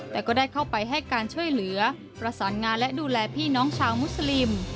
แต่ก็ได้เข้าไปให้การช่วยเหลือประสานงานและดูแลพี่น้องชาวมุสลิม